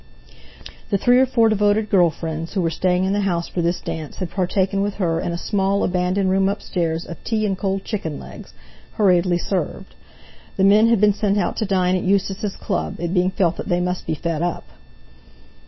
The three or four devoted girl friends who were staying in the house for this dance had partaken with her, in a small, abandoned room upstairs, of tea and cold chicken legs, hurriedly served; the men had been sent out to dine at Eustace's Club, it being felt that they must be fed up.